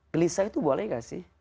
gelisah itu boleh gak sih